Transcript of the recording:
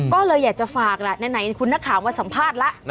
ก็เลยอยากจะฝากแหละไหนคุณนักข่าวมาสัมภาษณ์แล้ว